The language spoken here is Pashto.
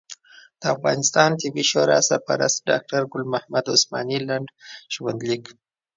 د افغانستان طبي شورا سرپرست ډاکټر ګل محمد عثمان لنډ ژوند لیک